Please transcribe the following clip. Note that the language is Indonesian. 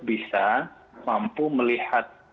bisa mampu melihat